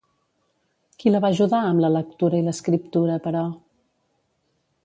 Qui la va ajudar amb la lectura i l'escriptura, però?